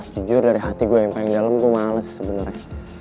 jujur dari hati gue yang paling dalam gue males sebenarnya